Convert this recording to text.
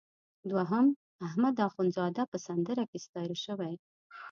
دوهم احمد اخوندزاده په سندره کې ستایل شوی.